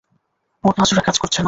আমার পা জোড়া কাজ করছে না।